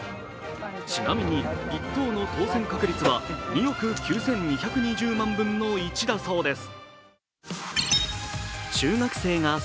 ちなみに、１等の当せん確率は２億９２２０万分の１だそうです。